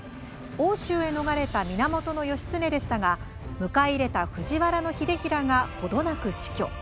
奥州へ逃れた源義経でしたが迎え入れた藤原秀衡がほどなく死去。